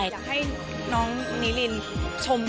อยากให้น้องนิลินชมคุณแม่หน่อย